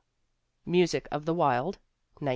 Music of the Wild, 1910.